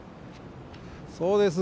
そうです。